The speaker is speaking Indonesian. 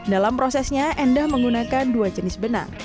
dalam prosesnya endah menggunakan dua jenis benang